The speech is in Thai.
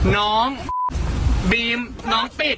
น้องบีมน้องปิด